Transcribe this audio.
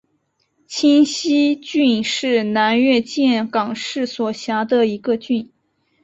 清溪郡是越南岘港市所辖的一个郡。